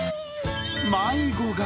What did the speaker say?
迷子が。